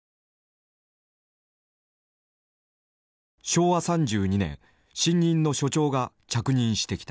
昭和３２年新任の所長が着任してきた。